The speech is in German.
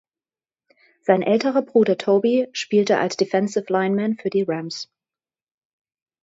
Sein älterer Bruder Toby spielte als Defensive Lineman für die Rams.